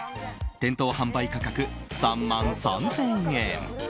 店頭販売価格、３万３０００円。